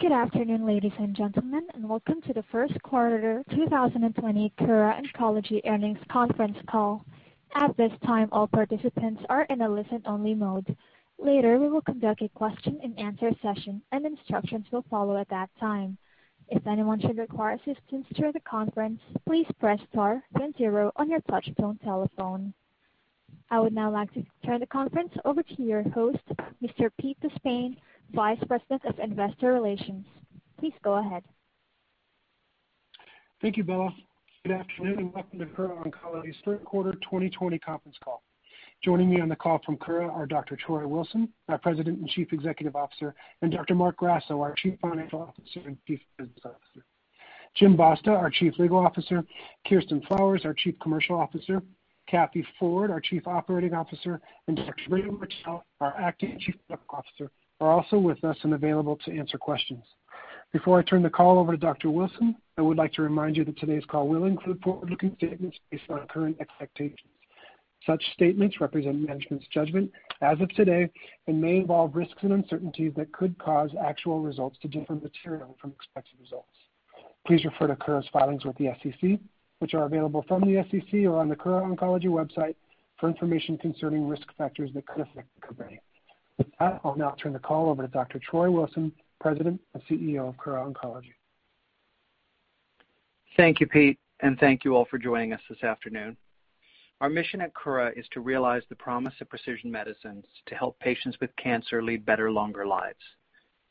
Good afternoon, ladies and gentlemen, and welcome to the first quarter 2020 Kura Oncology earnings conference call. At this time, all participants are in a listen-only mode. Later, we will conduct a question and answer session, and instructions will follow at that time. If anyone should require assistance during the conference, please press star then zero on your touch-tone telephone. I would now like to turn the conference over to your host, Mr. Pete DeSpain, Vice President of Investor Relations. Please go ahead. Thank you, Bella. Good afternoon, and welcome to Kura Oncology's first quarter 2020 conference call. Joining me on the call from Kura are Dr. Troy Wilson, our President and Chief Executive Officer, and Dr. Marc Grasso, our Chief Financial Officer and Chief Business Officer. James Basta, our Chief Legal Officer, Kirsten Flowers, our Chief Commercial Officer, Kathleen Ford, our Chief Operating Officer, and Dr. Bridget Martell, our acting Chief Medical Officer, are also with us and available to answer questions. Before I turn the call over to Dr. Wilson, I would like to remind you that today's call will include forward-looking statements based on our current expectations. Such statements represent management's judgment as of today and may involve risks and uncertainties that could cause actual results to differ materially from expected results. Please refer to Kura's filings with the SEC, which are available from the SEC or on the Kura Oncology website for information concerning risk factors that could affect the company. With that, I'll now turn the call over to Dr. Troy Wilson, President and CEO of Kura Oncology. Thank you, Pete, and thank you all for joining us this afternoon. Our mission at Kura is to realize the promise of precision medicines to help patients with cancer lead better, longer lives.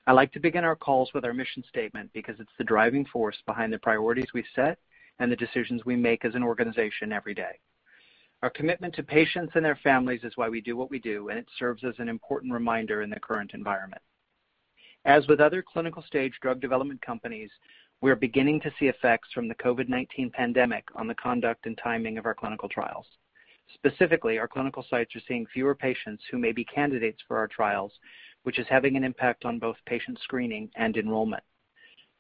I like to begin our calls with our mission statement because it's the driving force behind the priorities we set and the decisions we make as an organization every day. Our commitment to patients and their families is why we do what we do, and it serves as an important reminder in the current environment. As with other clinical stage drug development companies, we are beginning to see effects from the COVID-19 pandemic on the conduct and timing of our clinical trials. Specifically, our clinical sites are seeing fewer patients who may be candidates for our trials, which is having an impact on both patient screening and enrollment.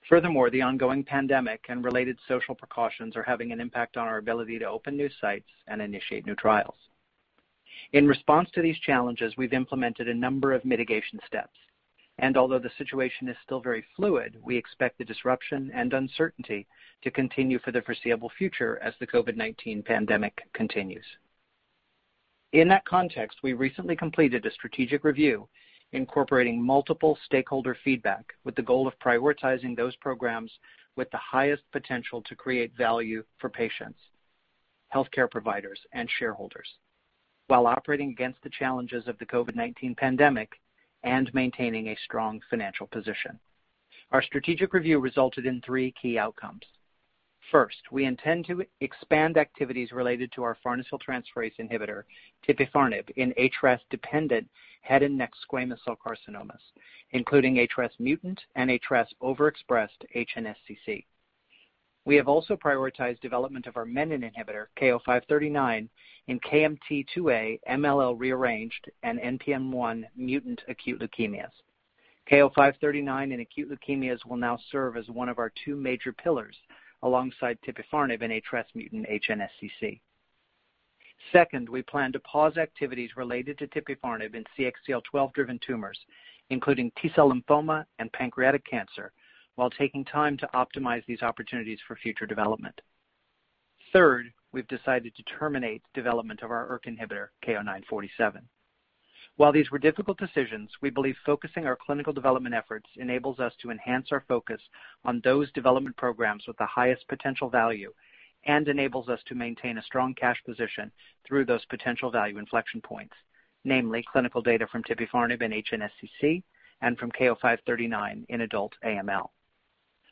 Furthermore, the ongoing pandemic and related social precautions are having an impact on our ability to open new sites and initiate new trials. In response to these challenges, we've implemented a number of mitigation steps, and although the situation is still very fluid, we expect the disruption and uncertainty to continue for the foreseeable future as the COVID-19 pandemic continues. In that context, we recently completed a strategic review incorporating multiple stakeholder feedback with the goal of prioritizing those programs with the highest potential to create value for patients, healthcare providers, and shareholders while operating against the challenges of the COVID-19 pandemic and maintaining a strong financial position. Our strategic review resulted in three key outcomes. First, we intend to expand activities related to our farnesyl transferase inhibitor, tipifarnib, in HRAS-dependent head and neck squamous cell carcinomas, including HRAS mutant and HRAS overexpressed HNSCC. We have also prioritized development of our menin inhibitor, KO-539, in KMT2A MLL rearranged and NPM1 mutant acute leukemias. KO-539 in acute leukemias will now serve as one of our two major pillars alongside tipifarnib in HRAS mutant HNSCC. Second, we plan to pause activities related to tipifarnib in CXCL12-driven tumors, including T-cell lymphoma and pancreatic cancer, while taking time to optimize these opportunities for future development. Third, we've decided to terminate development of our ERK inhibitor, KO-947. While these were difficult decisions, we believe focusing our clinical development efforts enables us to enhance our focus on those development programs with the highest potential value and enables us to maintain a strong cash position through those potential value inflection points, namely clinical data from tipifarnib in HNSCC and from KO-539 in adult AML.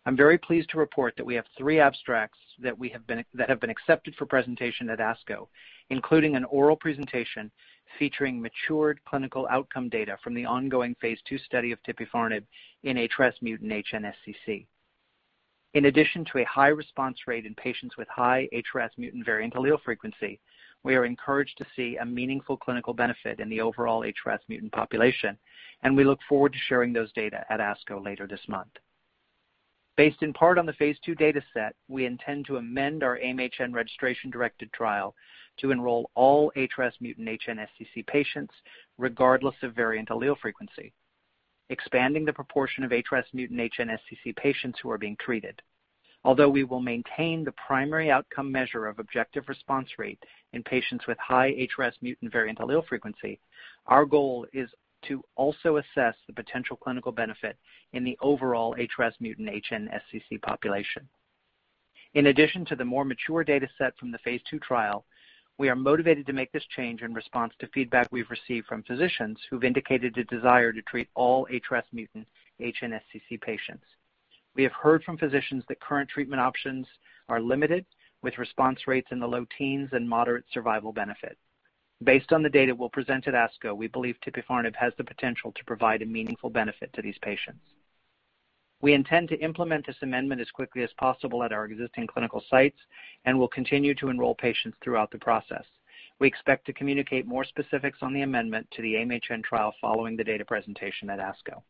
I'm very pleased to report that we have three abstracts that have been accepted for presentation at ASCO, including an oral presentation featuring matured clinical outcome data from the ongoing phase II study of tipifarnib in HRAS mutant HNSCC. In addition to a high response rate in patients with high HRAS mutant variant allele frequency, we are encouraged to see a meaningful clinical benefit in the overall HRAS mutant population, and we look forward to sharing those data at ASCO later this month. Based in part on the phase II data set, we intend to amend our AIM-HN registration-directed trial to enroll all HRAS mutant HNSCC patients regardless of variant allele frequency, expanding the proportion of HRAS mutant HNSCC patients who are being treated. Although we will maintain the primary outcome measure of objective response rate in patients with high HRAS mutant variant allele frequency, our goal is to also assess the potential clinical benefit in the overall HRAS mutant HNSCC population. In addition to the more mature data set from the phase II trial, we are motivated to make this change in response to feedback we've received from physicians who've indicated a desire to treat all HRAS mutant HNSCC patients. We have heard from physicians that current treatment options are limited, with response rates in the low teens and moderate survival benefit. Based on the data we'll present at ASCO, we believe tipifarnib has the potential to provide a meaningful benefit to these patients. We intend to implement this amendment as quickly as possible at our existing clinical sites and will continue to enroll patients throughout the process. We expect to communicate more specifics on the amendment to the AIM-HN trial following the data presentation at ASCO.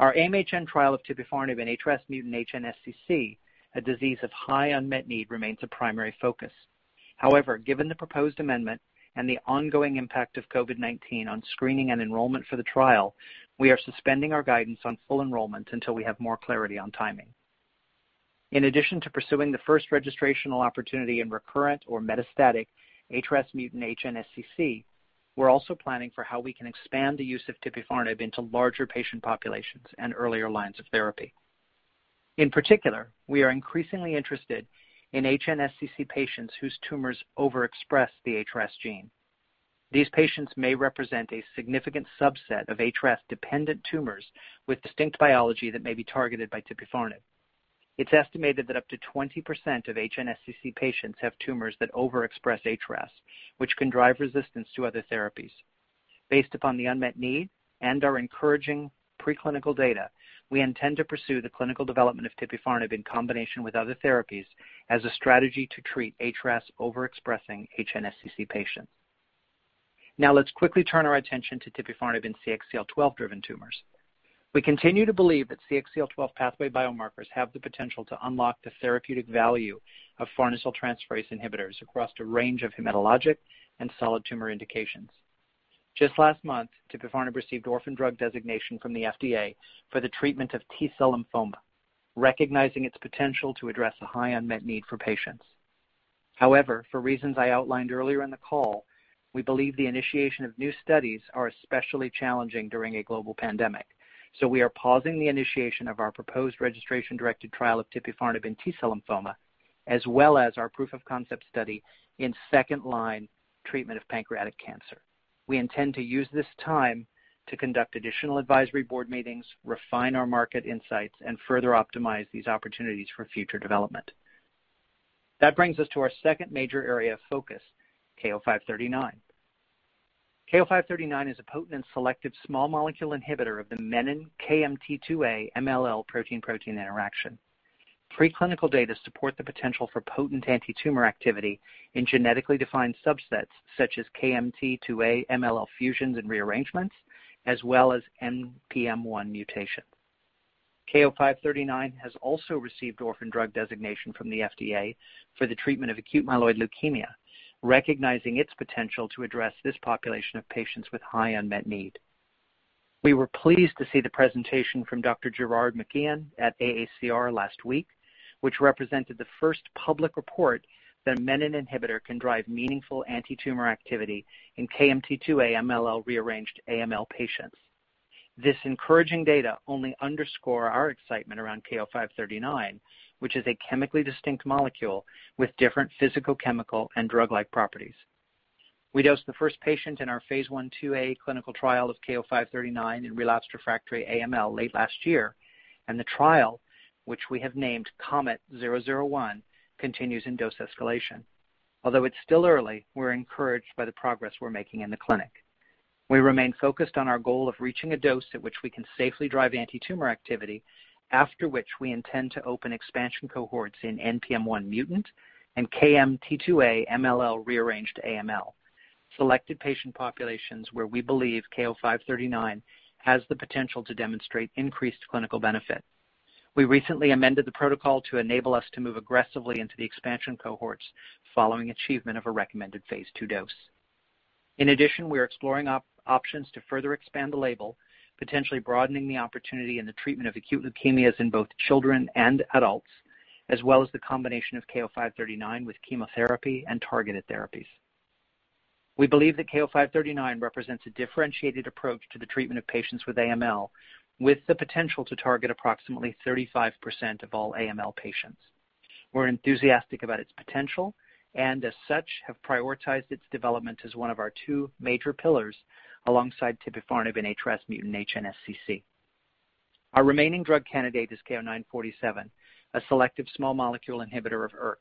Our AIM-HN trial of tipifarnib in HRAS mutant HNSCC, a disease of high unmet need, remains a primary focus. Given the proposed amendment and the ongoing impact of COVID-19 on screening and enrollment for the trial, we are suspending our guidance on full enrollment until we have more clarity on timing. In addition to pursuing the first registrational opportunity in recurrent or metastatic HRAS mutant HNSCC, we're also planning for how we can expand the use of tipifarnib into larger patient populations and earlier lines of therapy. In particular, we are increasingly interested in HNSCC patients whose tumors overexpress the HRAS gene. These patients may represent a significant subset of HRAS-dependent tumors with distinct biology that may be targeted by tipifarnib. It's estimated that up to 20% of HNSCC patients have tumors that overexpress HRAS, which can drive resistance to other therapies. Based upon the unmet need and our encouraging preclinical data, we intend to pursue the clinical development of tipifarnib in combination with other therapies as a strategy to treat HRAS overexpressing HNSCC patients. Let's quickly turn our attention to tipifarnib in CXCL12-driven tumors. We continue to believe that CXCL12 pathway biomarkers have the potential to unlock the therapeutic value of farnesyltransferase inhibitors across a range of hematologic and solid tumor indications. Just last month, tipifarnib received orphan drug designation from the FDA for the treatment of T-cell lymphoma, recognizing its potential to address a high unmet need for patients. For reasons I outlined earlier in the call, we believe the initiation of new studies are especially challenging during a global pandemic. We are pausing the initiation of our proposed registration-directed trial of tipifarnib in T-cell lymphoma, as well as our proof of concept study in second-line treatment of pancreatic cancer. We intend to use this time to conduct additional advisory board meetings, refine our market insights, and further optimize these opportunities for future development. That brings us to our second major area of focus, KO-539. KO-539 is a potent and selective small molecule inhibitor of the menin KMT2A MLL protein-protein interaction. Preclinical data support the potential for potent antitumor activity in genetically defined subsets such as KMT2A MLL fusions and rearrangements, as well as NPM1 mutation. KO-539 has also received orphan drug designation from the FDA for the treatment of acute myeloid leukemia, recognizing its potential to address this population of patients with high unmet need. We were pleased to see the presentation from Dr. Ghayas Issa at AACR last week, which represented the first public report that a menin inhibitor can drive meaningful antitumor activity in KMT2A MLL-rearranged AML patients. This encouraging data only underscore our excitement around KO-539, which is a chemically distinct molecule with different physical, chemical, and drug-like properties. We dosed the first patient in our phase I-IIA clinical trial of KO-539 in relapsed refractory AML late last year, and the trial, which we have named KOMET-001, continues in dose escalation. Although it's still early, we're encouraged by the progress we're making in the clinic. We remain focused on our goal of reaching a dose at which we can safely drive antitumor activity, after which we intend to open expansion cohorts in NPM1 mutant and KMT2A MLL-rearranged AML, selected patient populations where we believe KO-539 has the potential to demonstrate increased clinical benefit. We recently amended the protocol to enable us to move aggressively into the expansion cohorts following achievement of a recommended phase II dose. In addition, we are exploring options to further expand the label, potentially broadening the opportunity in the treatment of acute leukemias in both children and adults, as well as the combination of KO-539 with chemotherapy and targeted therapies. We believe that KO-539 represents a differentiated approach to the treatment of patients with AML, with the potential to target approximately 35% of all AML patients. We're enthusiastic about its potential, and as such, have prioritized its development as one of our two major pillars alongside tipifarnib in HRAS mutant HNSCC. Our remaining drug candidate is KO-947, a selective small molecule inhibitor of ERK.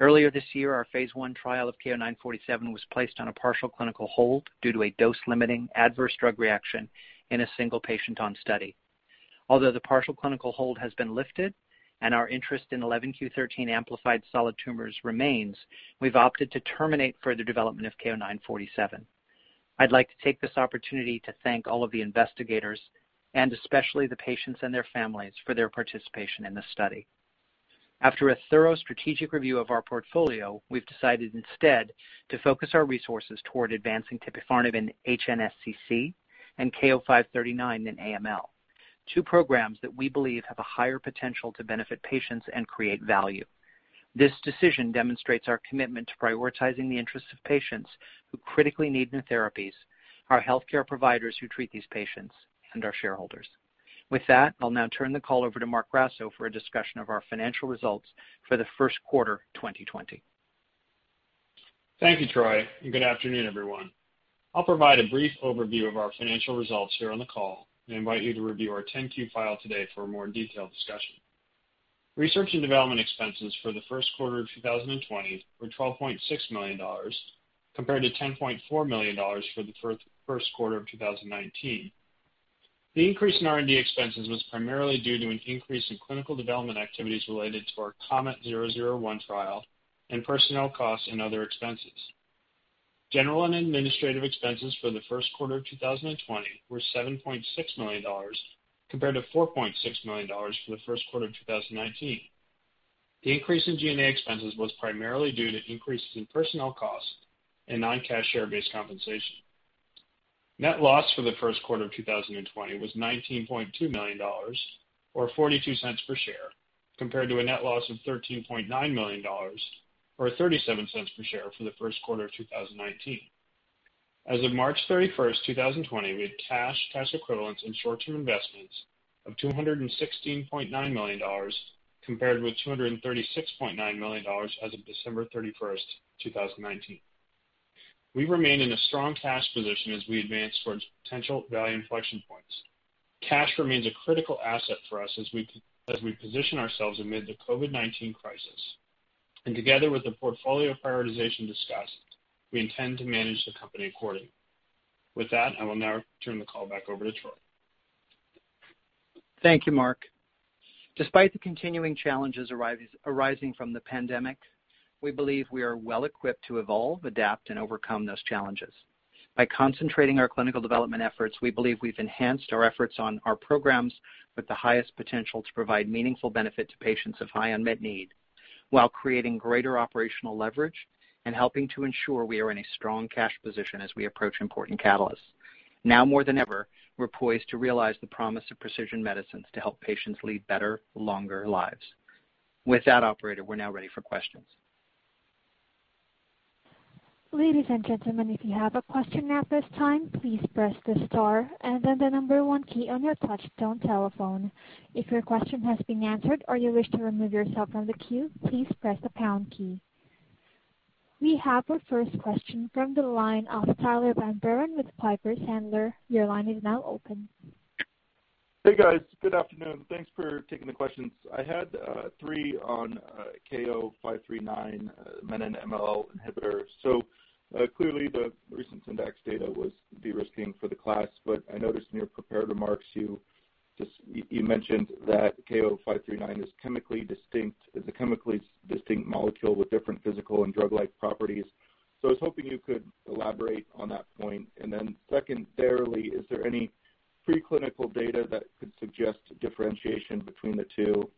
Earlier this year, our phase I trial of KO-947 was placed on a partial clinical hold due to a dose-limiting adverse drug reaction in a single patient on study. Although the partial clinical hold has been lifted and our interest in 11q13 amplified solid tumors remains, we've opted to terminate further development of KO-947. I'd like to take this opportunity to thank all of the investigators, and especially the patients and their families, for their participation in this study. After a thorough strategic review of our portfolio, we've decided instead to focus our resources toward advancing tipifarnib in HNSCC and KO-539 in AML, two programs that we believe have a higher potential to benefit patients and create value. This decision demonstrates our commitment to prioritizing the interests of patients who critically need new therapies, our healthcare providers who treat these patients, and our shareholders. With that, I'll now turn the call over to Marc Grasso for a discussion of our financial results for the first quarter 2020. Thank you, Troy. Good afternoon, everyone. I'll provide a brief overview of our financial results here on the call and invite you to review our 10-Q file today for a more detailed discussion. Research and development expenses for the first quarter of 2020 were $12.6 million, compared to $10.4 million for the first quarter of 2019. The increase in R&D expenses was primarily due to an increase in clinical development activities related to our KOMET-001 trial and personnel costs and other expenses. General and administrative expenses for the first quarter of 2020 were $7.6 million, compared to $4.6 million for the first quarter of 2019. The increase in G&A expenses was primarily due to increases in personnel costs and non-cash share-based compensation. Net loss for the first quarter of 2020 was $19.2 million, or $0.42 per share, compared to a net loss of $13.9 million, or $0.37 per share for the first quarter of 2019. As of March 31st, 2020, we had cash equivalents, and short-term investments of $216.9 million, compared with $236.9 million as of December 31st, 2019. We remain in a strong cash position as we advance towards potential value inflection points. Cash remains a critical asset for us as we position ourselves amid the COVID-19 crisis, and together with the portfolio prioritization discussed, we intend to manage the company accordingly. With that, I will now turn the call back over to Troy. Thank you, Marc. Despite the continuing challenges arising from the pandemic, we believe we are well-equipped to evolve, adapt, and overcome those challenges. By concentrating our clinical development efforts, we believe we've enhanced our efforts on our programs with the highest potential to provide meaningful benefit to patients of high unmet need, while creating greater operational leverage and helping to ensure we are in a strong cash position as we approach important catalysts. Now more than ever, we're poised to realize the promise of precision medicines to help patients lead better, longer lives. With that Operator, we're now ready for questions. Ladies and gentlemen, if you have a question at this time, please press the star and then the number one key on your touchtone telephone. If your question has been answered or you wish to remove yourself from the queue, please press the pound key. We have our first question from the line of Tyler Van Buren with Piper Sandler. Your line is now open. Hey, guys. Good afternoon. Thanks for taking the questions. I had three on KO-539 Menin-MLL inhibitor. Clearly the recent Syndax data was de-risking for the class. I noticed in your prepared remarks, you mentioned that KO-539 is a chemically distinct molecule with different physical and drug-like properties. I was hoping you could elaborate on that point. Secondarily, is there any pre-clinical data that could suggest differentiation between the two?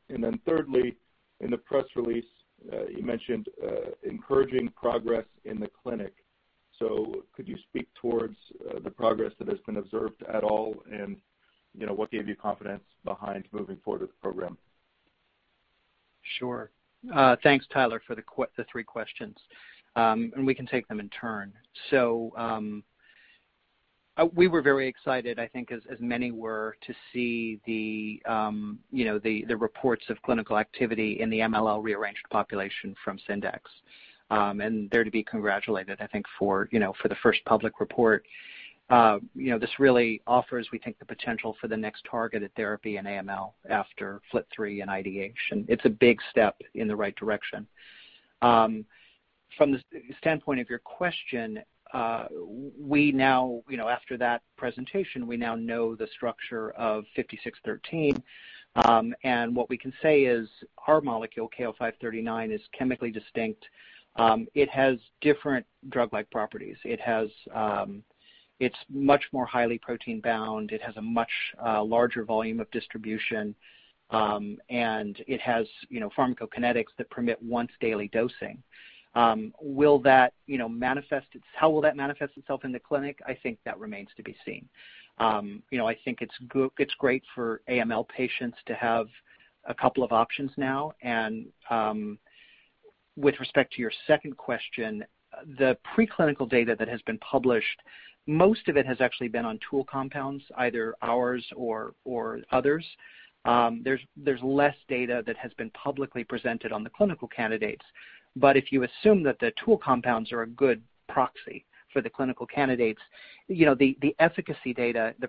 Thirdly, in the press release, you mentioned encouraging progress in the clinic. Could you speak towards the progress that has been observed at all and what gave you confidence behind moving forward with the program? Sure. Thanks, Tyler, for the three questions. We can take them in turn. We were very excited, I think as many were, to see the reports of clinical activity in the MLL rearranged population from Syndax, they're to be congratulated, I think, for the first public report. This really offers, we think, the potential for the next targeted therapy in AML after FLT3 and IDH, it's a big step in the right direction. From the standpoint of your question, after that presentation, we now know the structure of SNDX-5613. What we can say is our molecule, KO-539, is chemically distinct. It has different drug-like properties. It's much more highly protein bound, it has a much larger volume of distribution, it has pharmacokinetics that permit once-daily dosing. How will that manifest itself in the clinic? I think that remains to be seen. I think it's great for AML patients to have a couple of options now. With respect to your second question, the pre-clinical data that has been published, most of it has actually been on tool compounds, either ours or others. There's less data that has been publicly presented on the clinical candidates. If you assume that the tool compounds are a good proxy for the clinical candidates, the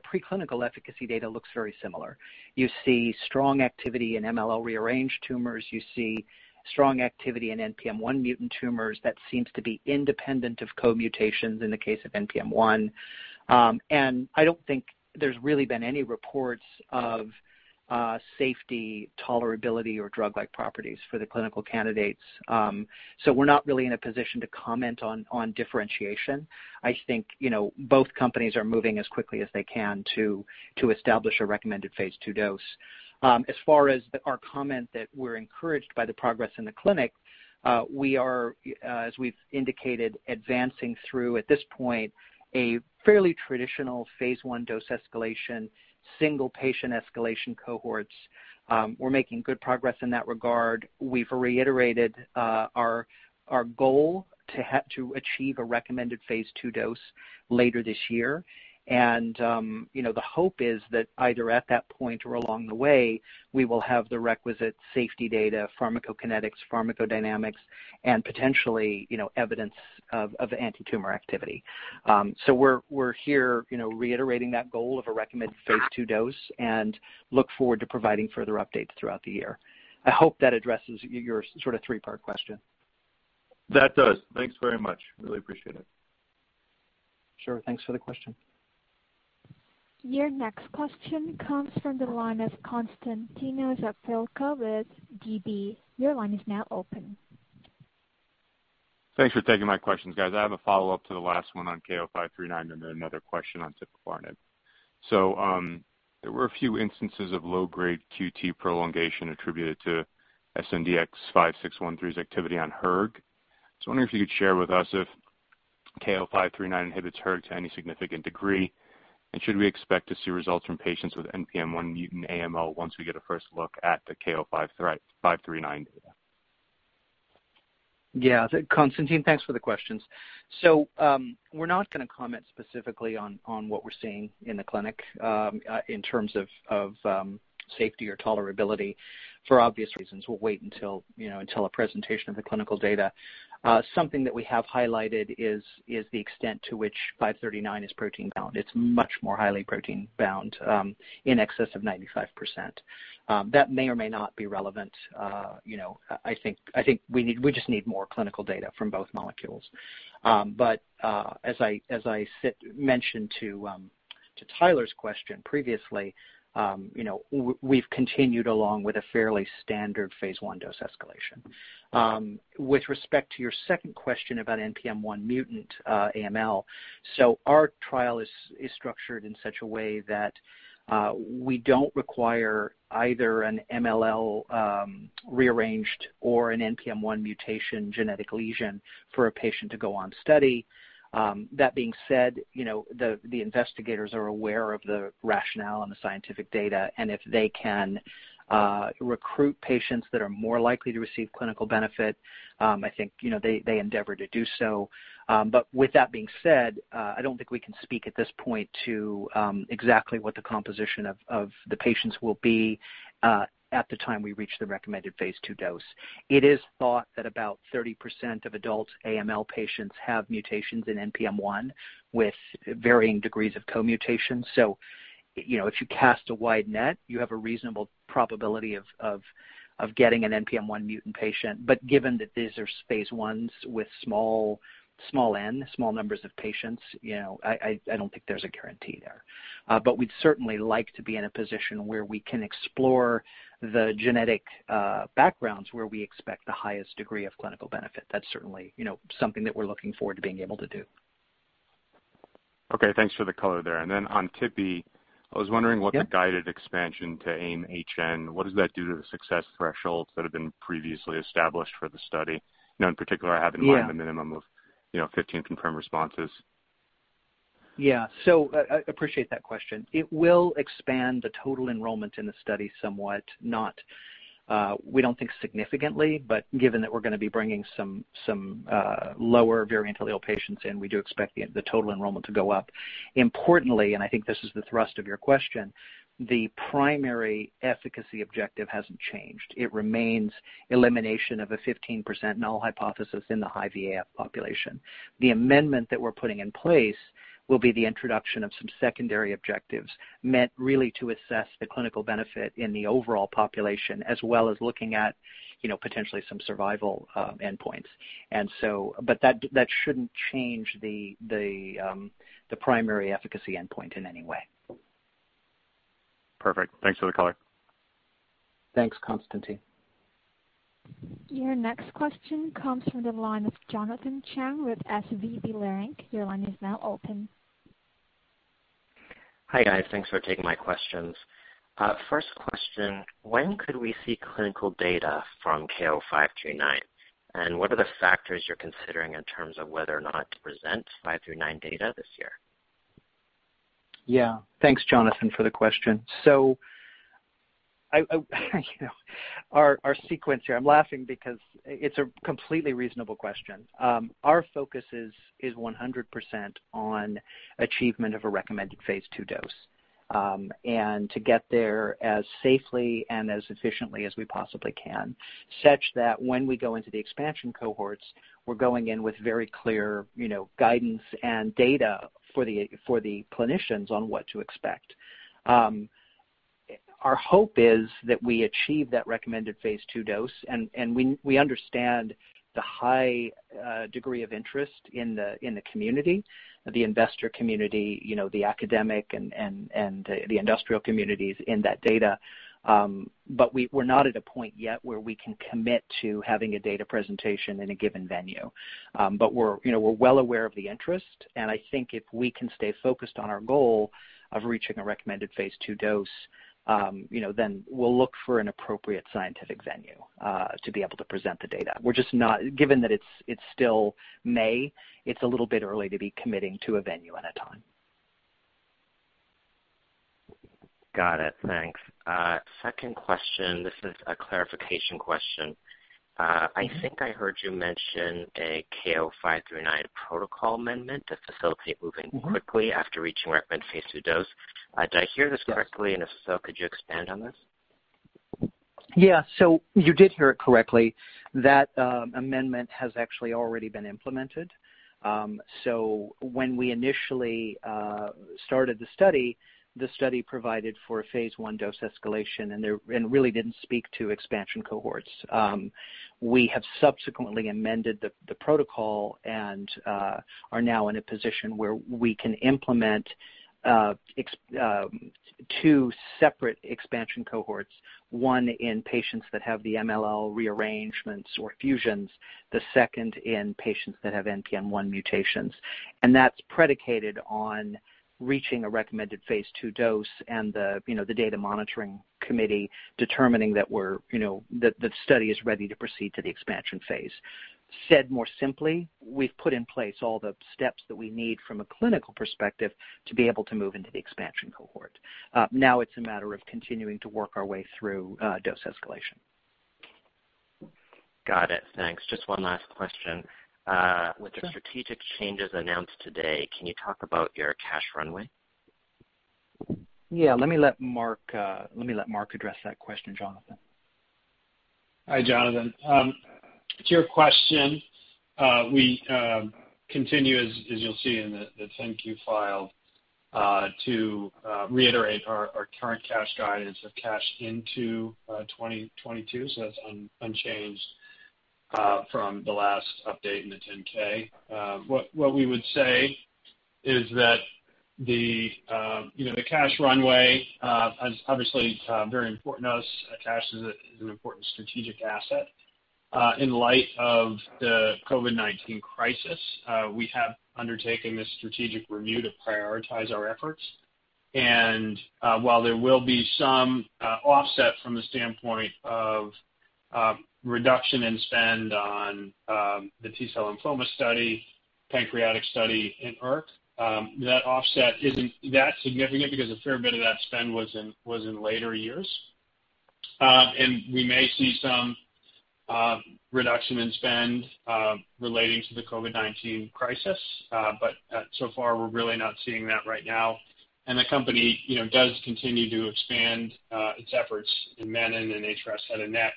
pre-clinical efficacy data looks very similar. You see strong activity in MLL rearrange tumors, you see strong activity in NPM1 mutant tumors that seems to be independent of co-mutations in the case of NPM1. I don't think there's really been any reports of safety, tolerability, or drug-like properties for the clinical candidates. We're not really in a position to comment on differentiation. I think both companies are moving as quickly as they can to establish a recommended phase II dose. As far as our comment that we're encouraged by the progress in the clinic, we are, as we've indicated, advancing through, at this point, a fairly traditional phase I dose escalation, single patient escalation cohorts. We're making good progress in that regard. We've reiterated our goal to achieve a recommended phase II dose later this year. The hope is that either at that point or along the way, we will have the requisite safety data, pharmacokinetics, pharmacodynamics, and potentially evidence of anti-tumor activity. We're here reiterating that goal of a recommended phase II dose and look forward to providing further updates throughout the year. I hope that addresses your three-part question. That does. Thanks very much. Really appreciate it. Sure. Thanks for the question. Your next question comes from the line of Konstantinos Aprilakis with DB. Your line is now open. Thanks for taking my questions, guys. I have a follow-up to the last one on KO-539 and then another question on tipifarnib. There were a few instances of low-grade QT prolongation attributed to SNDX-5613's activity on hERG. I was wondering if you could share with us if KO-539 inhibits hERG to any significant degree, and should we expect to see results from patients with NPM1 mutant AML once we get a first look at the KO-539 data? Yeah. Konstantinos, thanks for the questions. We're not going to comment specifically on what we're seeing in the clinic in terms of safety or tolerability, for obvious reasons. We'll wait until a presentation of the clinical data. Something that we have highlighted is the extent to which 539 is protein bound. It's much more highly protein bound, in excess of 95%. That may or may not be relevant. I think we just need more clinical data from both molecules. As I mentioned to Tyler's question previously, we've continued along with a fairly standard phase I dose escalation. With respect to your second question about NPM1 mutant AML, our trial is structured in such a way that we don't require either an MLL rearranged or an NPM1 mutation genetic lesion for a patient to go on study. That being said, the investigators are aware of the rationale and the scientific data. If they can recruit patients that are more likely to receive clinical benefit, I think, they endeavor to do so. With that being said, I don't think we can speak at this point to exactly what the composition of the patients will be at the time we reach the recommended phase II dose. It is thought that about 30% of adult AML patients have mutations in NPM1 with varying degrees of co-mutations. If you cast a wide net, you have a reasonable probability of getting an NPM1 mutant patient. Given that these are phase I with small n, small numbers of patients, I don't think there's a guarantee there. We'd certainly like to be in a position where we can explore the genetic backgrounds where we expect the highest degree of clinical benefit. That's certainly something that we're looking forward to being able to do. Okay, thanks for the color there. Then on Tipi, I was wondering what- Yeah the guided expansion to AIM-HN, what does that do to the success thresholds that have been previously established for the study? In particular, I have. Yeah mind the minimum of 15 confirmed responses. I appreciate that question. It will expand the total enrollment in the study somewhat, we don't think significantly, but given that we're gonna be bringing some lower variant allele patients in, we do expect the total enrollment to go up. Importantly, I think this is the thrust of your question, the primary efficacy objective hasn't changed. It remains elimination of a 15% null hypothesis in the high VAF population. The amendment that we're putting in place will be the introduction of some secondary objectives meant really to assess the clinical benefit in the overall population, as well as looking at potentially some survival endpoints. That shouldn't change the primary efficacy endpoint in any way. Perfect. Thanks for the color. Thanks, Konstantinos. Your next question comes from the line of Jonathan Chang with SVB Leerink. Your line is now open. Hi, guys. Thanks for taking my questions. First question, when could we see clinical data from KO-539? What are the factors you're considering in terms of whether or not to present 539 data this year? Yeah. Thanks, Jonathan, for the question. Our sequence here, I'm laughing because it's a completely reasonable question. Our focus is 100% on achievement of a recommended phase II dose, and to get there as safely and as efficiently as we possibly can, such that when we go into the expansion cohorts, we're going in with very clear guidance and data for the clinicians on what to expect. Our hope is that we achieve that recommended phase II dose, and we understand the high degree of interest in the community, the investor community, the academic and the industrial communities in that data. We're not at a point yet where we can commit to having a data presentation in a given venue. We're well aware of the interest, and I think if we can stay focused on our goal of reaching a recommended phase II dose, then we'll look for an appropriate scientific venue to be able to present the data. Given that it's still May, it's a little bit early to be committing to a venue and a time. Got it. Thanks. Second question, this is a clarification question. I think I heard you mention a KO-539 protocol amendment to facilitate moving- quickly after reaching recommended phase II dose. Did I hear this correctly? Yes. If so, could you expand on this? Yeah. You did hear it correctly. That amendment has actually already been implemented. When we initially started the study, the study provided for phase I dose escalation and really didn't speak to expansion cohorts. We have subsequently amended the protocol and are now in a position where we can implement two separate expansion cohorts, one in patients that have the MLL rearrangements or fusions, the second in patients that have NPM1 mutations. That's predicated on reaching a recommended phase II dose and the data monitoring committee determining that the study is ready to proceed to the expansion phase. Said more simply, we've put in place all the steps that we need from a clinical perspective to be able to move into the expansion cohort. Now it's a matter of continuing to work our way through dose escalation. Got it. Thanks. Just one last question. Sure. With the strategic changes announced today, can you talk about your cash runway? Yeah. Let me let Marc address that question, Jonathan. Hi, Jonathan. To your question, we continue, as you'll see in the 10-Q file, to reiterate our current cash guidance of cash into 2022. That's unchanged from the last update in the 10-K. What we would say is that the cash runway is obviously very important to us. Cash is an important strategic asset. In light of the COVID-19 crisis, we have undertaken this strategic review to prioritize our efforts. While there will be some offset from the standpoint of reduction in spend on the T-cell lymphoma study, pancreatic study, and ERK, that offset isn't that significant because a fair bit of that spend was in later years. We may see some reduction in spend relating to the COVID-19 crisis. So far, we're really not seeing that right now. The company does continue to expand its efforts in menin and HRAS head and neck.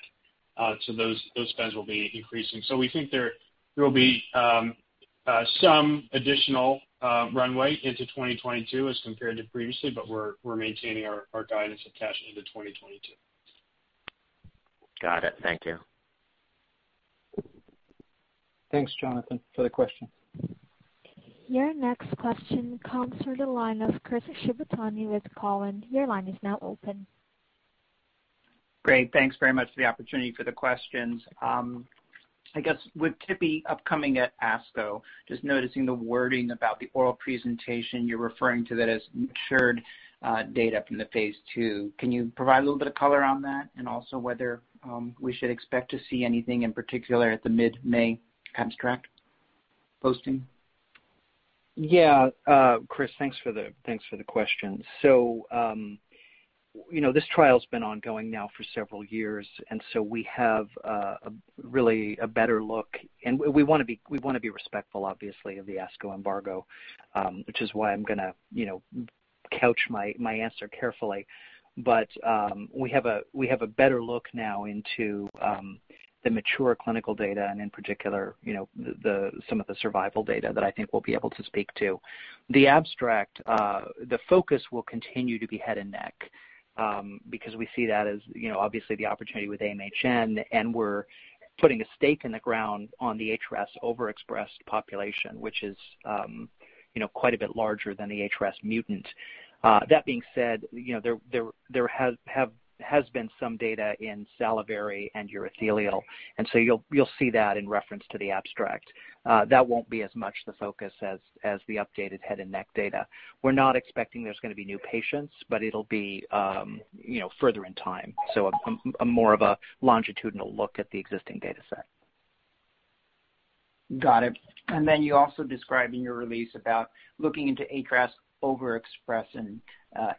Those spends will be increasing. We think there will be some additional runway into 2022 as compared to previously, but we're maintaining our guidance of cash into 2022. Got it. Thank you. Thanks, Jonathan, for the question. Your next question comes through the line of Chris Shibutani with Cowen. Your line is now open. Great. Thanks very much for the opportunity for the questions. I guess with Tipi upcoming at ASCO, just noticing the wording about the oral presentation you're referring to that as matured data from the phase II. Can you provide a little bit of color on that, and also whether we should expect to see anything in particular at the mid-May abstract posting? Yeah. Chris, thanks for the question. We have really a better look. We want to be respectful, obviously, of the ASCO embargo, which is why I'm going to couch my answer carefully. We have a better look now into the mature clinical data, and in particular some of the survival data that I think we'll be able to speak to. The abstract, the focus will continue to be head and neck, because we see that as obviously the opportunity with AIM-HN, and we're putting a stake in the ground on the HRAS overexpressed population, which is quite a bit larger than the HRAS mutant. That being said, there has been some data in salivary and urothelial, you'll see that in reference to the abstract. That won't be as much the focus as the updated head and neck data. We're not expecting there's going to be new patients, but it'll be further in time, so a more of a longitudinal look at the existing data set. Got it. You also describe in your release about looking into HRAS overexpress in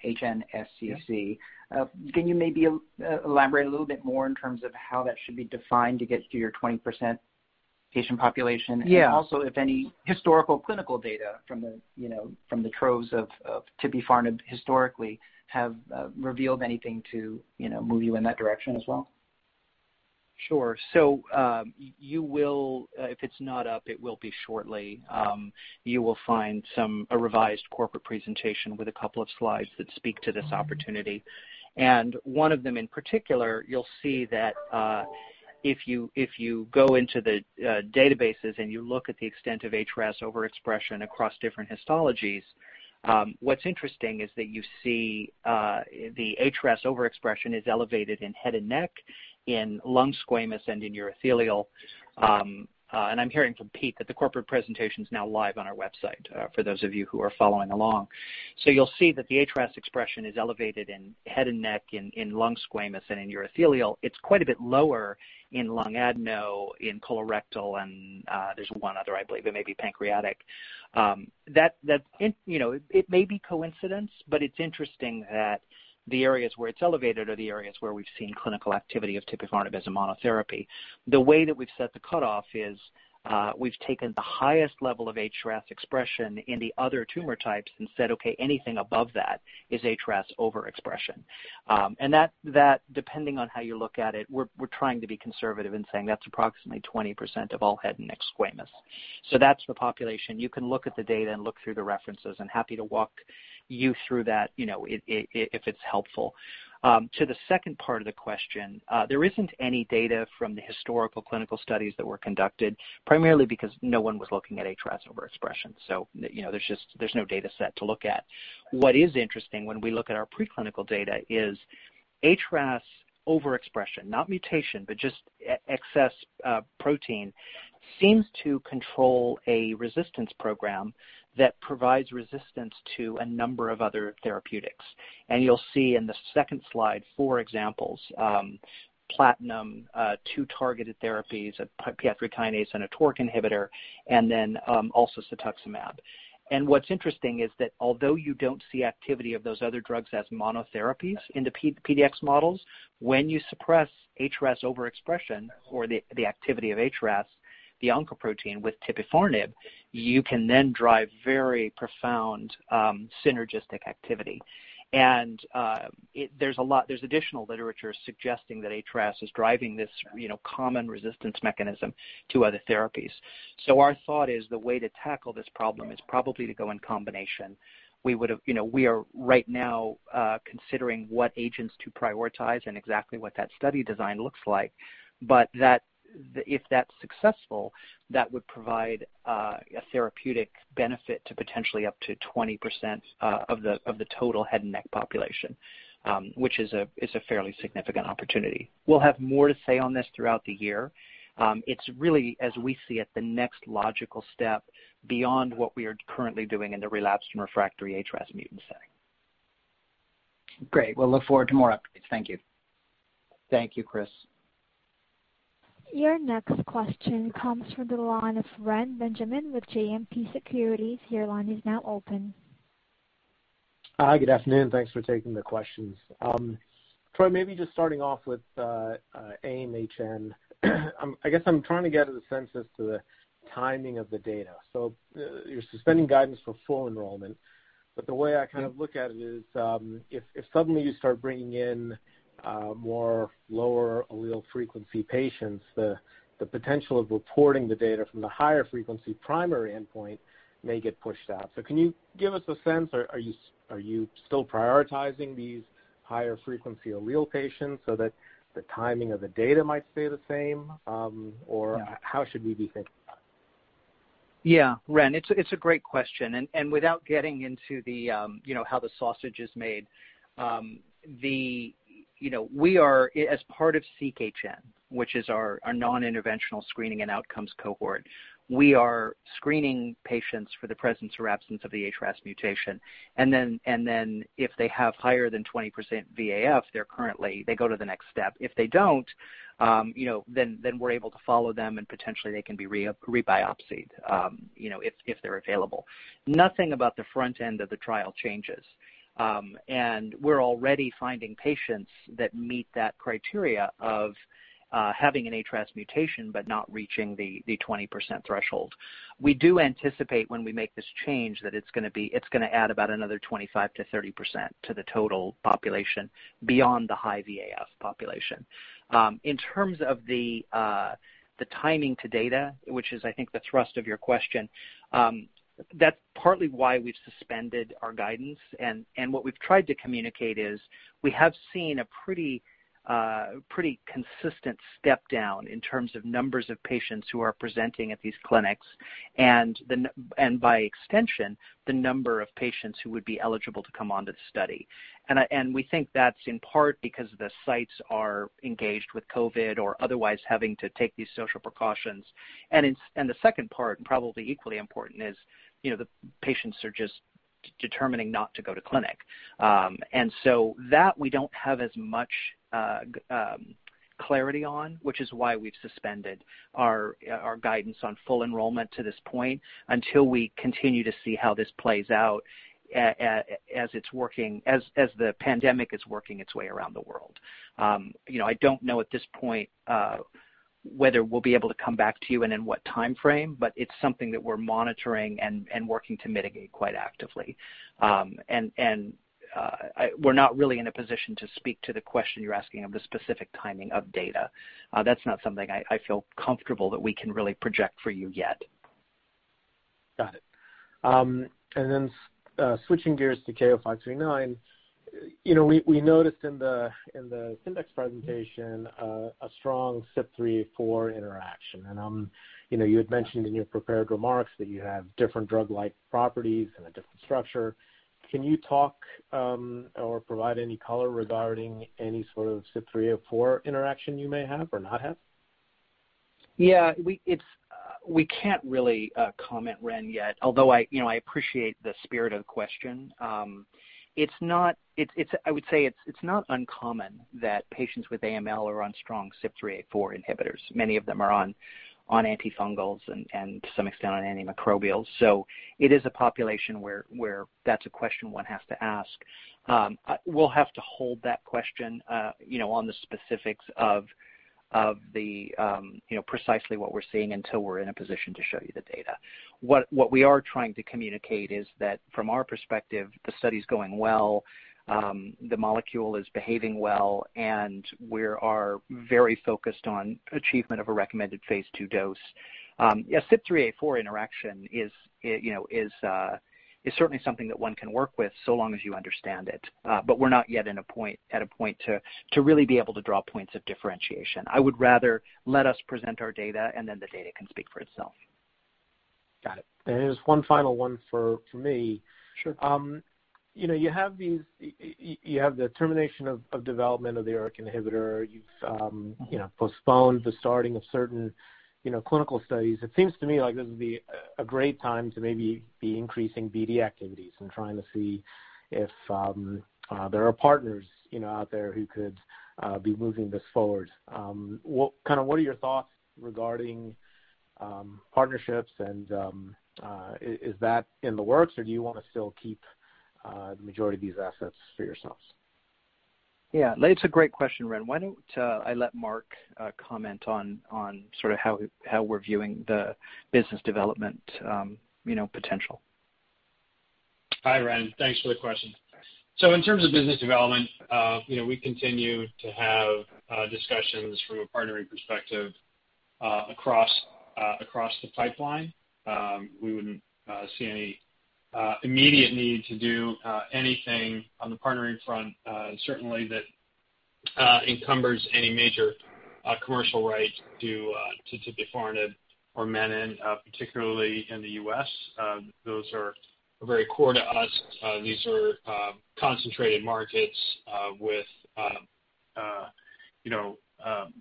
HNSCC. Yeah. Can you maybe elaborate a little bit more in terms of how that should be defined to get to your 20% patient population? Yeah. Also, if any historical clinical data from the troves of tipifarnib historically have revealed anything to move you in that direction as well? Sure. If it's not up, it will be shortly. You will find a revised corporate presentation with a couple of slides that speak to this opportunity. One of them in particular, you'll see that if you go into the databases and you look at the extent of HRAS overexpression across different histologies, what's interesting is that you see the HRAS overexpression is elevated in head and neck, in lung squamous, and in urothelial. I'm hearing from Pete that the corporate presentation's now live on our website, for those of you who are following along. You'll see that the HRAS expression is elevated in head and neck, in lung squamous, and in urothelial. It's quite a bit lower in lung adeno, in colorectal, and there's one other, I believe, it may be pancreatic. It may be coincidence, but it's interesting that the areas where it's elevated are the areas where we've seen clinical activity of tipifarnib as a monotherapy. The way that we've set the cutoff is we've taken the highest level of HRAS expression in the other tumor types and said, "Okay, anything above that is HRAS overexpression." That, depending on how you look at it, we're trying to be conservative in saying that's approximately 20% of all head and neck squamous. That's the population. You can look at the data and look through the references. I'm happy to walk you through that if it's helpful. To the second part of the question, there isn't any data from the historical clinical studies that were conducted, primarily because no one was looking at HRAS overexpression. There's no data set to look at. What is interesting when we look at our pre-clinical data is HRAS overexpression, not mutation, but just excess protein seems to control a resistance program that provides resistance to a number of other therapeutics. You'll see in the second slide, four examples, platinum, two targeted therapies, a tyrosine kinase and a mTOR inhibitor, then also cetuximab. What's interesting is that although you don't see activity of those other drugs as monotherapies in the PDX models, when you suppress HRAS overexpression or the activity of HRAS, the oncoprotein with tipifarnib, you can then drive very profound synergistic activity. There's additional literature suggesting that HRAS is driving this common resistance mechanism to other therapies. Our thought is the way to tackle this problem is probably to go in combination. We are right now considering what agents to prioritize and exactly what that study design looks like. If that's successful, that would provide a therapeutic benefit to potentially up to 20% of the total head and neck population, which is a fairly significant opportunity. We'll have more to say on this throughout the year. It's really, as we see it, the next logical step beyond what we are currently doing in the relapsed and refractory HRAS mutant setting. Great. We'll look forward to more updates. Thank you. Thank you, Chris. Your next question comes from the line of Reni Benjamin with JMP Securities. Your line is now open. Hi, good afternoon. Thanks for taking the questions. Troy, maybe just starting off with AIM-HN. I guess I'm trying to get a sense as to the timing of the data. You're suspending guidance for full enrollment, but the way I kind of look at it is if suddenly you start bringing in more lower allele frequency patients, the potential of reporting the data from the higher frequency primary endpoint may get pushed out. Can you give us a sense, or are you still prioritizing these higher frequency allele patients so that the timing of the data might stay the same? Or how should we be thinking about it? Yeah, Ren, it's a great question. Without getting into how the sausage is made, as part of SEQ-HN, which is our non-interventional screening and outcomes cohort, we are screening patients for the presence or absence of the HRAS mutation. If they have higher than 20% VAF, they go to the next step. If they don't, then we're able to follow them and potentially they can be re-biopsied if they're available. Nothing about the front end of the trial changes. We're already finding patients that meet that criteria of having an HRAS mutation but not reaching the 20% threshold. We do anticipate when we make this change that it's going to add about another 25%-30% to the total population beyond the high VAF population. In terms of the timing to data, which is I think the thrust of your question, that's partly why we've suspended our guidance, and what we've tried to communicate is we have seen a pretty consistent step down in terms of numbers of patients who are presenting at these clinics, and by extension, the number of patients who would be eligible to come onto the study. We think that's in part because the sites are engaged with COVID or otherwise having to take these social precautions. The second part, probably equally important, is the patients are just determining not to go to clinic. That we don't have as much clarity on, which is why we've suspended our guidance on full enrollment to this point until we continue to see how this plays out as the pandemic is working its way around the world. I don't know at this point whether we'll be able to come back to you and in what time frame, but it's something that we're monitoring and working to mitigate quite actively. We're not really in a position to speak to the question you're asking of the specific timing of data. That's not something I feel comfortable that we can really project for you yet. Got it. Switching gears to KO-539, we noticed in the Syndax presentation a strong CYP3A4 interaction. You had mentioned in your prepared remarks that you have different drug-like properties and a different structure. Can you talk or provide any color regarding any sort of CYP3A4 interaction you may have or not have? Yeah. We can't really comment, Ren, yet, although I appreciate the spirit of the question. I would say it's not uncommon that patients with AML are on strong CYP3A4 inhibitors. Many of them are on antifungals and to some extent on antimicrobials. It is a population where that's a question one has to ask. We'll have to hold that question on the specifics of precisely what we're seeing until we're in a position to show you the data. What we are trying to communicate is that from our perspective, the study's going well, the molecule is behaving well, and we are very focused on achievement of a recommended phase II dose. A CYP3A4 interaction is certainly something that one can work with so long as you understand it. We're not yet at a point to really be able to draw points of differentiation. I would rather let us present our data and then the data can speak for itself. Got it. There's one final one for me. Sure. You have the termination of development of the ERK inhibitor. You've postponed the starting of certain clinical studies. It seems to me like this would be a great time to maybe be increasing BD activities and trying to see if there are partners out there who could be moving this forward. What are your thoughts regarding partnerships, and is that in the works, or do you want to still keep the majority of these assets for yourselves? Yeah. It's a great question, Ren. Why don't I let Marc comment on how we're viewing the business development potential? Hi, Reni. Thanks for the question. In terms of business development, we continue to have discussions from a partnering perspective across the pipeline. We wouldn't see any immediate need to do anything on the partnering front, certainly that encumbers any major commercial right to tipifarnib or menin, particularly in the U.S. Those are very core to us. These are concentrated markets with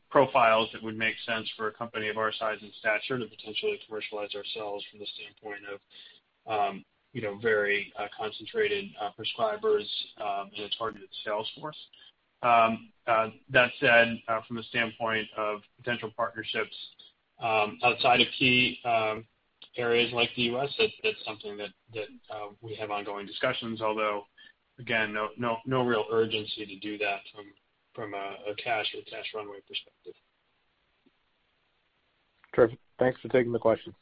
profiles that would make sense for a company of our size and stature to potentially commercialize ourselves from the standpoint of very concentrated prescribers and a targeted sales force. That said, from a standpoint of potential partnerships outside of key areas like the U.S., that's something that we have ongoing discussions, although, again, no real urgency to do that from a cash or cash runway perspective. Terrific. Thanks for taking the questions.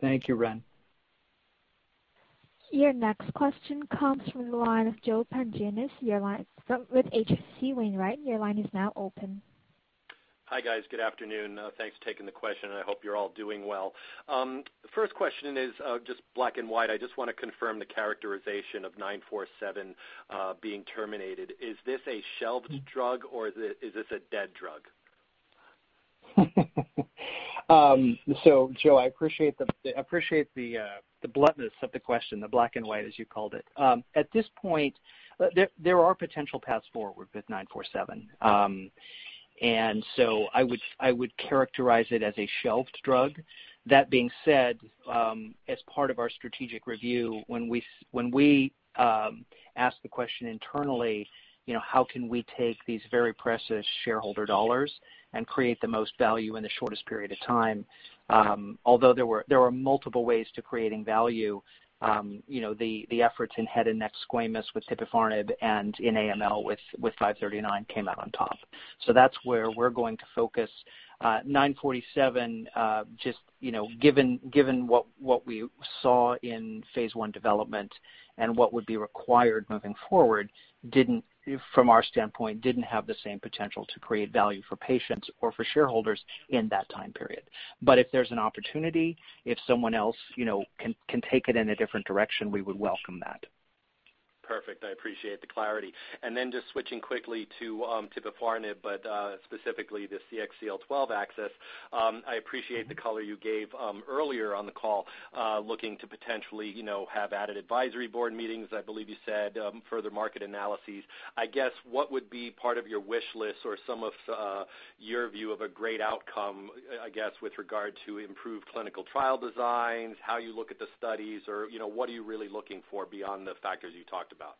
Thank you, Reni. Your next question comes from the line of Joseph Pantginis with H.C. Wainwright. Your line is now open. Hi, guys. Good afternoon. Thanks for taking the question, and I hope you're all doing well. First question is just black and white. I just want to confirm the characterization of 947 being terminated. Is this a shelved drug, or is this a dead drug? Joe, I appreciate the bluntness of the question, the black and white, as you called it. At this point, there are potential paths forward with 947. I would characterize it as a shelved drug. That being said, as part of our strategic review, when we asked the question internally, how can we take these very precious shareholder $ and create the most value in the shortest period of time? Although there were multiple ways to creating value, the efforts in head and neck squamous with tipifarnib and in AML with 539 came out on top. That's where we're going to focus. 947, just given what we saw in phase I development and what would be required moving forward, from our standpoint, didn't have the same potential to create value for patients or for shareholders in that time period. If there's an opportunity, if someone else can take it in a different direction, we would welcome that. Perfect. I appreciate the clarity. Just switching quickly to tipifarnib, but specifically the CXCL12 axis. I appreciate the color you gave earlier on the call looking to potentially have added advisory board meetings, I believe you said, further market analyses. I guess what would be part of your wish list or some of your view of a great outcome, I guess, with regard to improved clinical trial designs, how you look at the studies, or what are you really looking for beyond the factors you talked about?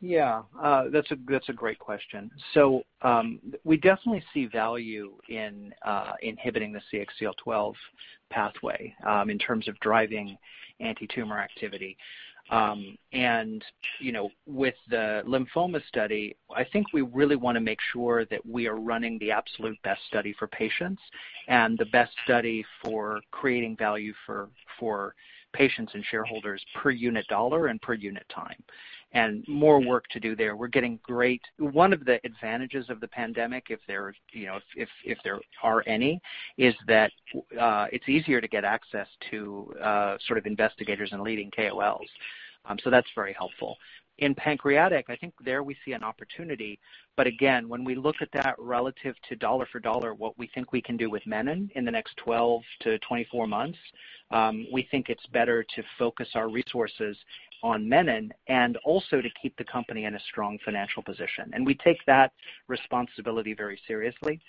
Yeah. That's a great question. We definitely see value in inhibiting the CXCL12 pathway in terms of driving anti-tumor activity. With the lymphoma study, I think we really want to make sure that we are running the absolute best study for patients and the best study for creating value for patients and shareholders per unit dollar and per unit time. More work to do there. One of the advantages of the pandemic, if there are any, is that it's easier to get access to investigators and leading KOLs. That's very helpful. In pancreatic, I think there we see an opportunity, but again, when we look at that relative to dollar for dollar what we think we can do with menin in the next 12 months-24 months, we think it's better to focus our resources on menin and also to keep the company in a strong financial position. We take that responsibility very seriously.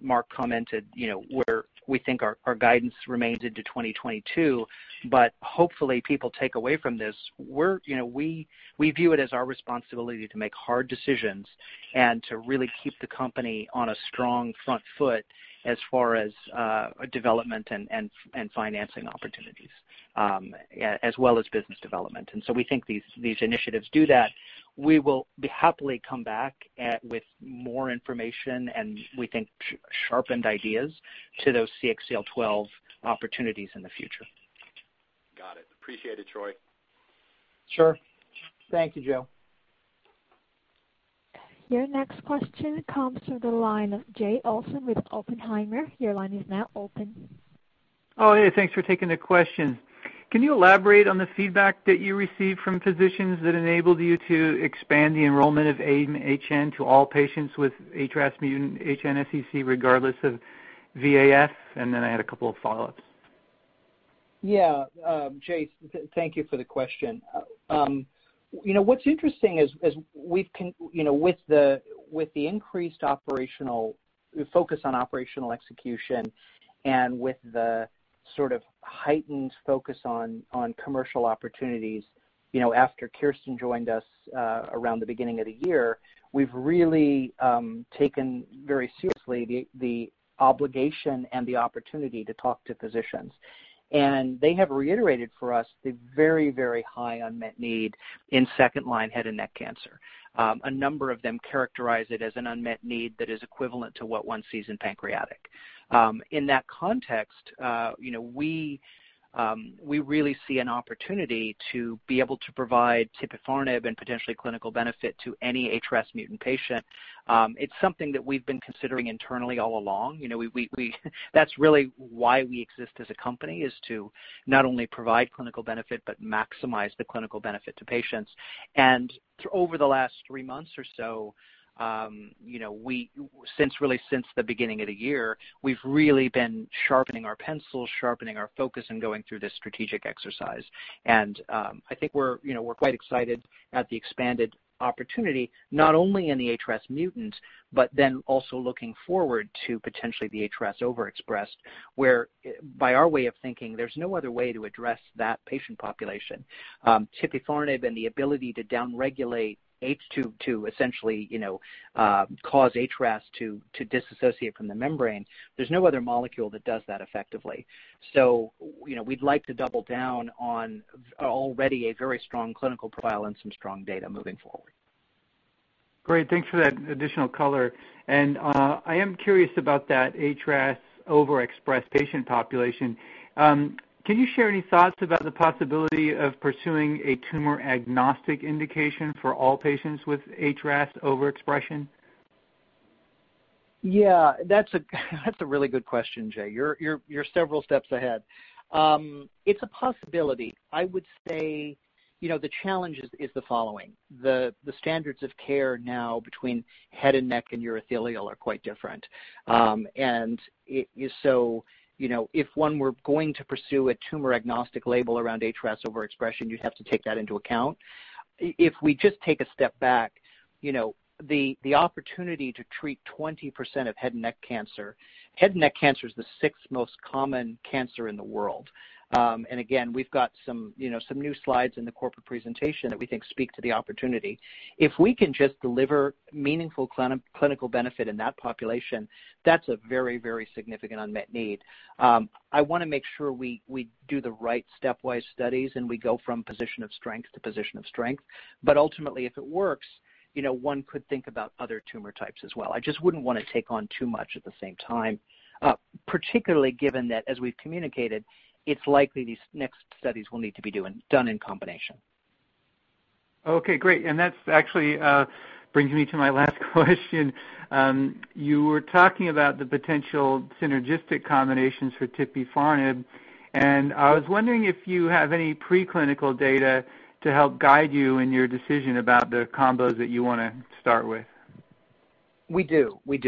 Marc commented where we think our guidance remains into 2022, hopefully people take away from this, we view it as our responsibility to make hard decisions and to really keep the company on a strong front foot as far as development and financing opportunities, as well as business development. We think these initiatives do that. We will happily come back with more information and we think sharpened ideas to those CXCL12 opportunities in the future. Appreciate it, Troy. Sure. Thank you, Joe. Your next question comes through the line of Jay Olson with Oppenheimer. Your line is now open. Oh, hey. Thanks for taking the question. Can you elaborate on the feedback that you received from physicians that enabled you to expand the enrollment of AIM-HN to all patients with HRAS mutant HNSCC regardless of VAF? I had a couple of follow-ups. Yeah. Jay, thank you for the question. What's interesting is with the increased focus on operational execution and with the sort of heightened focus on commercial opportunities, after Kirsten joined us around the beginning of the year, we've really taken very seriously the obligation and the opportunity to talk to physicians. They have reiterated for us the very, very high unmet need in second-line head and neck cancer. A number of them characterize it as an unmet need that is equivalent to what one sees in pancreatic. In that context, we really see an opportunity to be able to provide tipifarnib and potentially clinical benefit to any HRAS mutant patient. It's something that we've been considering internally all along. That's really why we exist as a company, is to not only provide clinical benefit but maximize the clinical benefit to patients. Through over the last three months or so, really since the beginning of the year, we've really been sharpening our pencils, sharpening our focus, and going through this strategic exercise. I think we're quite excited at the expanded opportunity, not only in the HRAS mutant, also looking forward to potentially the HRAS overexpressed, where by our way of thinking, there's no other way to address that patient population. Tipifarnib and the ability to down-regulate HRAS to essentially cause HRAS to disassociate from the membrane. There's no other molecule that does that effectively. We'd like to double down on already a very strong clinical profile and some strong data moving forward. Great. Thanks for that additional color. I am curious about that HRAS overexpressed patient population. Can you share any thoughts about the possibility of pursuing a tumor-agnostic indication for all patients with HRAS overexpression? Yeah. That's a really good question, Jay. You're several steps ahead. It's a possibility. I would say, the challenge is the following. The standards of care now between head and neck and urothelial are quite different. If one were going to pursue a tumor-agnostic label around HRAS overexpression, you'd have to take that into account. If we just take a step back, the opportunity to treat 20% of head and neck cancer. Head and neck cancer is the sixth most common cancer in the world. Again, we've got some new slides in the corporate presentation that we think speak to the opportunity. If we can just deliver meaningful clinical benefit in that population, that's a very, very significant unmet need. I want to make sure we do the right stepwise studies, and we go from position of strength to position of strength. Ultimately, if it works, one could think about other tumor types as well. I just wouldn't want to take on too much at the same time, particularly given that as we've communicated, it's likely these next studies will need to be done in combination. Okay, great. That actually brings me to my last question. You were talking about the potential synergistic combinations for tipifarnib, and I was wondering if you have any preclinical data to help guide you in your decision about the combos that you want to start with. We do. We've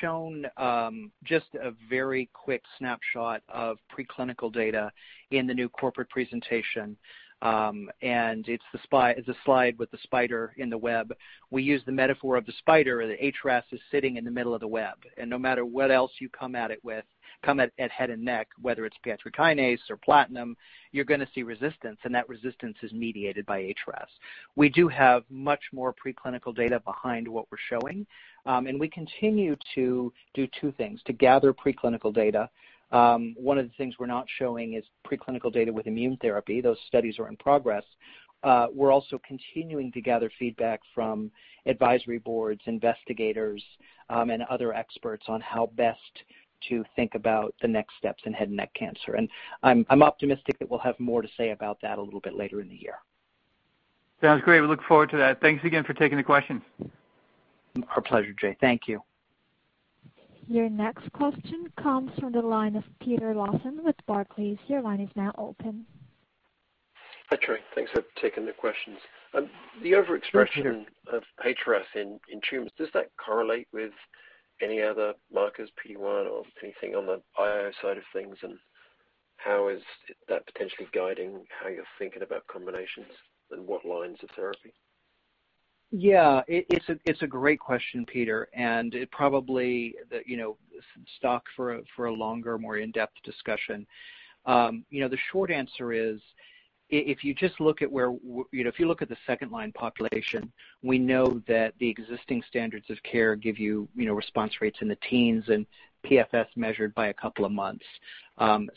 shown just a very quick snapshot of preclinical data in the new corporate presentation. It's a slide with the spider in the web. We use the metaphor of the spider, the HRAS is sitting in the middle of the web, and no matter what else you come at head and neck, whether it's pan-tyrosine kinase or platinum, you're going to see resistance, and that resistance is mediated by HRAS. We do have much more preclinical data behind what we're showing, and we continue to do two things, to gather preclinical data. One of the things we're not showing is preclinical data with immune therapy. Those studies are in progress. We're also continuing to gather feedback from advisory boards, investigators, and other experts on how best to think about the next steps in head and neck cancer. I'm optimistic that we'll have more to say about that a little bit later in the year. Sounds great. We look forward to that. Thanks again for taking the questions. Our pleasure, Jay. Thank you. Your next question comes from the line of Peter Lawson with Barclays. Your line is now open. Hi, Troy. Thanks for taking the questions. Sure of HRAS in tumors, does that correlate with any other markers, PD-1 or anything on the IO side of things? How is that potentially guiding how you're thinking about combinations and what lines of therapy? It's a great question, Peter, it probably calls for a longer, more in-depth discussion. The short answer is, if you look at the second-line population, we know that the existing standards of care give you response rates in the teens and PFS measured by a couple of months. We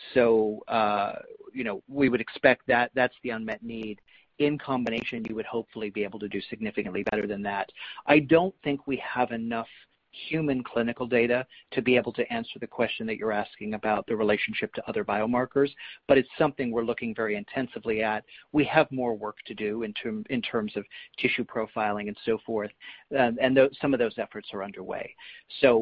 would expect that. That's the unmet need. In combination, you would hopefully be able to do significantly better than that. I don't think we have enough human clinical data to be able to answer the question that you're asking about the relationship to other biomarkers, it's something we're looking very intensively at. We have more work to do in terms of tissue profiling and so forth. Some of those efforts are underway.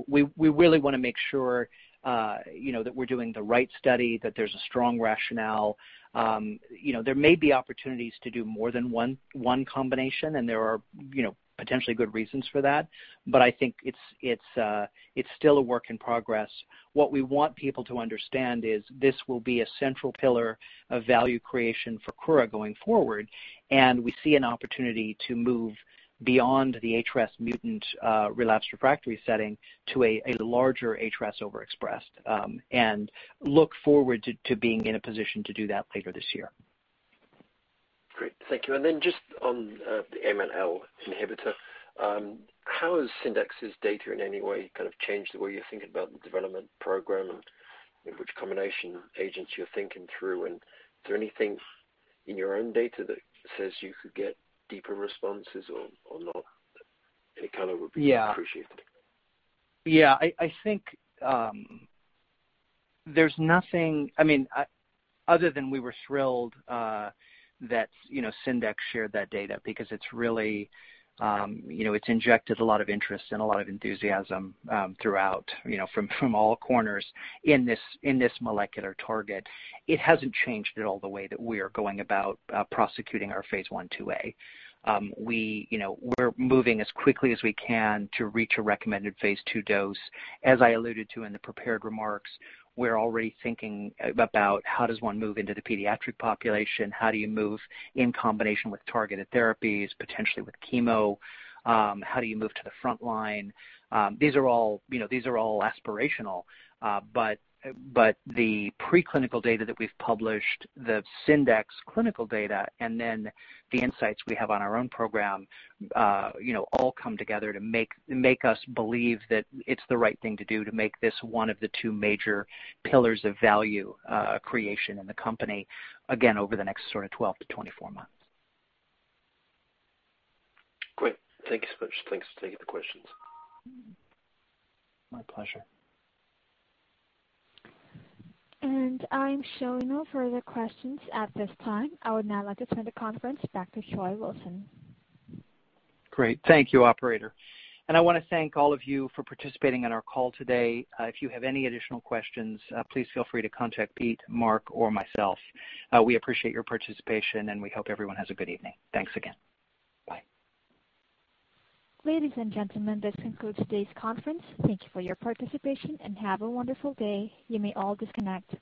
We really want to make sure that we're doing the right study, that there's a strong rationale. There may be opportunities to do more than one combination, and there are potentially good reasons for that. I think it's still a work in progress. What we want people to understand is this will be a central pillar of value creation for Kura going forward, and we see an opportunity to move beyond the HRAS mutant relapsed refractory setting to a larger HRAS overexpressed, and look forward to being in a position to do that later this year. Great, thank you. Just on the Menin-MLL inhibitor, how has Syndax's data in any way kind of changed the way you're thinking about the development program and which combination agents you're thinking through? Is there anything in your own data that says you could get deeper responses or not? Any color would be appreciated. Yeah. I think there's nothing, other than we were thrilled that Syndax shared that data because it's injected a lot of interest and a lot of enthusiasm throughout from all corners in this molecular target. It hasn't changed at all the way that we are going about prosecuting our phase I/IIA. We're moving as quickly as we can to reach a recommended phase II dose. As I alluded to in the prepared remarks, we're already thinking about how does one move into the pediatric population? How do you move in combination with targeted therapies, potentially with chemo? How do you move to the front line? These are all aspirational. The preclinical data that we've published, the Syndax clinical data, and then the insights we have on our own program all come together to make us believe that it's the right thing to do to make this one of the two major pillars of value creation in the company, again, over the next sort of 12 to 24 months. Great. Thank you so much. Thanks for taking the questions. My pleasure. I'm showing no further questions at this time. I would now like to turn the conference back to Troy Wilson. Great. Thank you, Operator. I want to thank all of you for participating on our call today. If you have any additional questions, please feel free to contact Pete, Marc, or myself. We appreciate your participation, and we hope everyone has a good evening. Thanks again. Bye. Ladies and gentlemen, this concludes today's conference. Thank you for your participation, and have a wonderful day. You may all disconnect.